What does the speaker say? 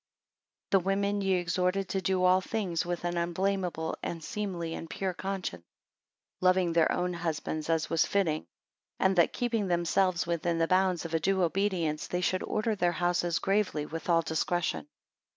7 The women ye exhorted to do all things with an unblameable, and seemly, and pure conscience; loving their own husbands, as was fitting: and that keeping themselves within the bounds of a due obedience, they should order their houses gravely, with all discretion.